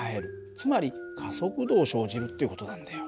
つまり加速度を生じるっていう事なんだよ。